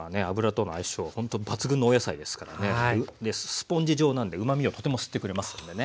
スポンジ状なんでうまみをとても吸ってくれますのでね。